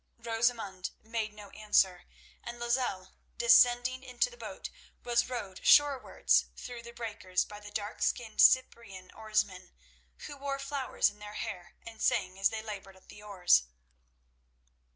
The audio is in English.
Rosamund made no answer, and Lozelle, descending into the boat, was rowed shorewards through the breakers by the dark skinned, Cyprian oarsmen, who wore flowers in their hair and sang as they laboured at the oars.